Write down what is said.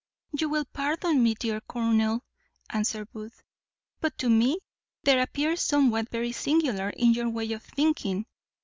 "You will pardon me, dear colonel," answered Booth; "but to me there appears somewhat very singular in your way of thinking.